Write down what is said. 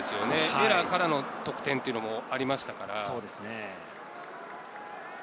エラーからの得点というのもありましたから。